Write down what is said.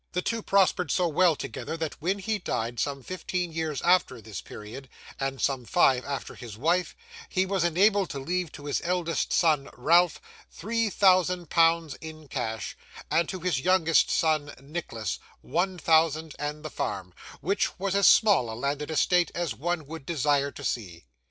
The two prospered so well together that, when he died, some fifteen years after this period, and some five after his wife, he was enabled to leave, to his eldest son, Ralph, three thousand pounds in cash, and to his youngest son, Nicholas, one thousand and the farm, which was as small a landed estate as one would desire to see.